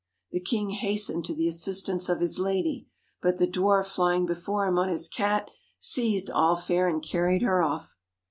The king hastened to the assistance of his lady; but the dwarf flying before him on his cat, seized All fair and carried her off.